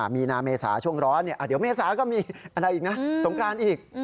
มีนาเมษาช่วงร้อนเดี๋ยวเมษาก็มีอะไรอีกนะสงครานอีก